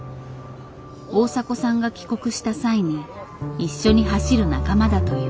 大迫さんが帰国した際に一緒に走る仲間だという。